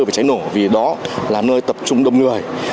về cháy nổ vì đó là nơi tập trung đông người